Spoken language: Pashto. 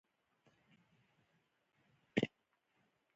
ځینې محصلین د نوې ټکنالوژۍ کاروي.